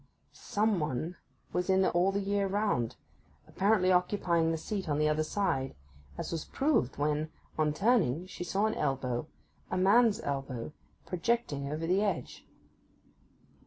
Some one was in the all the year round, apparently occupying the seat on the other side; as was proved when, on turning, she saw an elbow, a man's elbow, projecting over the edge.